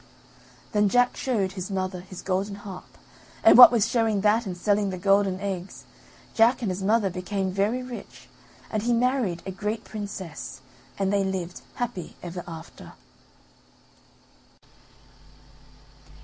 Then Jack showed his mother his golden harp, and what with showing that and selling the golden eggs, Jack and his mother became very rich, and he married a great princess, and they lived happy ever after.